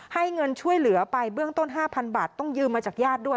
เงินช่วยเหลือไปเบื้องต้น๕๐๐บาทต้องยืมมาจากญาติด้วย